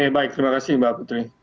baik terima kasih mbak putri